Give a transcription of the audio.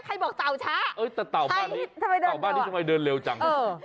ใครบอกเตาช้าเอ้ยแต่เตาบ้านนี้ทำไมเดินเร็วจังเออ